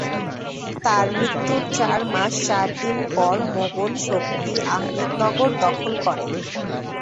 তার মৃত্যুর চার মাস চার দিন পর মোগল শক্তি আহমেদনগর দখল করে।